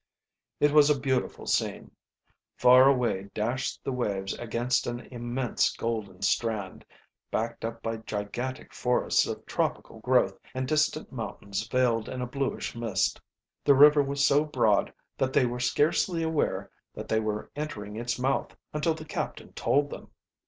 It was a beautiful scene. Far away dashed the waves against an immense golden strand, backed up by gigantic forests of tropical growth and distant mountains veiled in a bluish mist: The river was so broad that they were scarcely aware that they were entering its mouth until the captain told them.